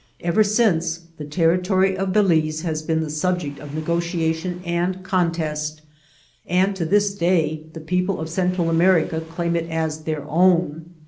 Ever since, the territory of Balize has been the subject of negotiation and contest, and to this day the people of Central America claim it as their own.